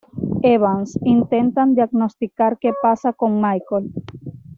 Evans, intentan diagnosticar que pasa con Michael.